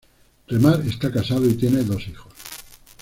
Remar está casado y tiene dos hijos.